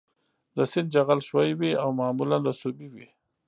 د سیند جغل ښوی وي او معمولاً رسوبي وي